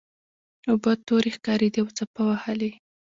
اوبه تورې ښکاریدې او څپه وهلې.